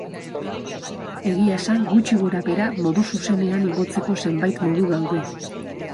Egia esan, gutxi gora-behera modu zuzenean igotzeko zenbait modu daude.